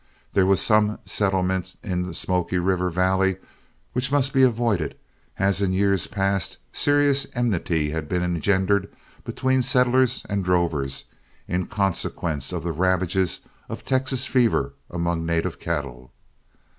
There was some settlement in the Smoky River Valley which must be avoided, as in years past serious enmity had been engendered between settlers and drovers in consequence of the ravages of Texas fever among native cattle.